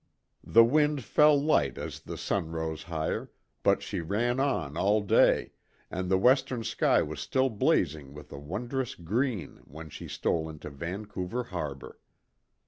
The wind fell light as the sun rose higher, but she ran on all day, and the western sky was still blazing with a wondrous green when she stole into Vancouver harbour.